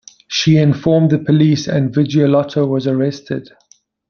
She informed the police and Vigliotto was arrested.